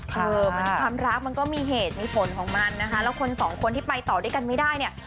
บางทีความรักมันก็มีเหตุมีผลของมันนะคะแล้วคนสองคนที่ไปต่อด้วยกันไม่ได้เนี่ย